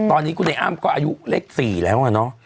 ตอนนี้คุณไอ้อ้ำก็อายุเลข๔แล้วอะเนาะ